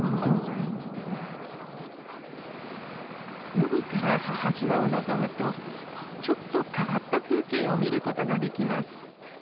海から母島を望むとちょっと変わった風景を見ることができます。